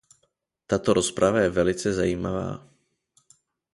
Tato rozprava je velice zajímavá.